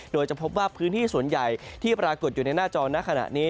โดยจะพบว่าพื้นที่ส่วนใหญ่ที่ปรากฏอยู่ในหน้าจอในขณะนี้